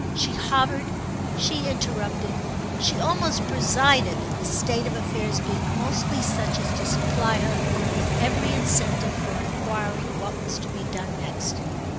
She hovered, she interrupted, she almost presided, the state of affairs being mostly such as to supply her with every incentive for enquiring what was to be done next.